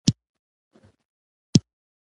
وليکل شول: